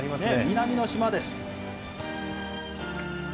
南の島です。